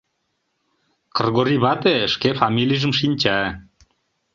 Кргорий вате шке фамилийжым шинча.